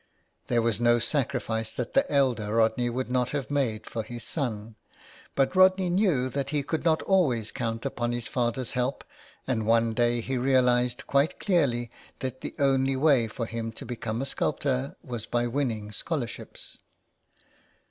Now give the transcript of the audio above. There was no sacrifice that the elder Rodney would not have made for his son. But Rodney knew that he could not always count upon his father's help, and one day he realized quite clearly that the only way 8 IN THE CLAY. for him to become a sculptor was by winning scholar ships.